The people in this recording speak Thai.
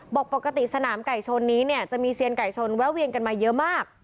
ปกติสนามไก่ชนนี้เนี่ยจะมีเซียนไก่ชนแวะเวียนกันมาเยอะมาก